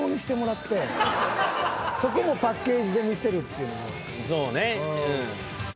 そこもパッケージで見せるっていうのどうですかね？